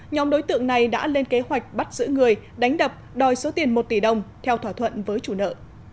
nhóm đối tượng này đã lên kế hoạch bắt giữ người đánh đập đòi số tiền một tỷ đồng theo thỏa thuận với chủ nợ